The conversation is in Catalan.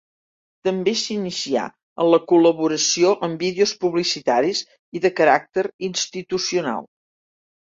També s’inicià en la col·laboració amb vídeos publicitaris i de caràcter institucional.